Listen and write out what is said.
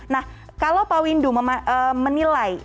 nah kalau pak windu menilai